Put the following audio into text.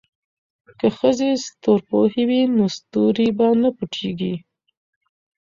که ښځې ستورپوهې وي نو ستوري به نه پټیږي.